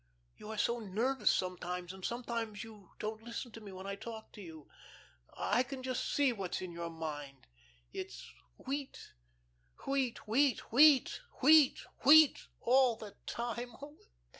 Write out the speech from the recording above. You are so nervous sometimes, and sometimes you don't listen to me when I talk to you. I can just see what's in your mind. It's wheat wheat wheat, wheat wheat wheat, all the time.